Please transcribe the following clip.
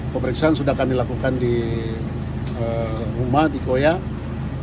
pemeriksaan sudah kami lakukan di rumah di koya